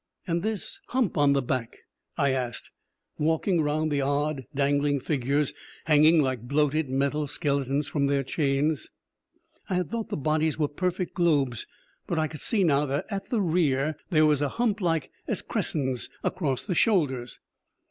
"And this hump on the back?" I asked, walking around the odd, dangling figures, hanging like bloated metal skeletons from their chains. I had thought the bodies were perfect globes; I could see now that at the rear there was a humplike excrescence across the shoulders.